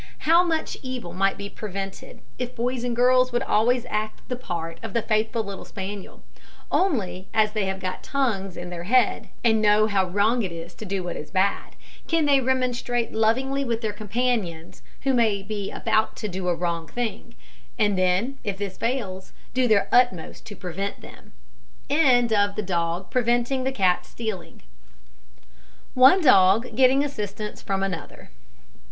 How much evil might be prevented, if boys and girls would always act the part of the faithful little spaniel; only, as they have got tongues in their head, and know how wrong it is to do what is bad, they can remonstrate lovingly with their companions who may be about to do a wrong thing and then, if this fails, do their utmost to prevent them. ONE DOG GETTING ASSISTANCE FROM ANOTHER.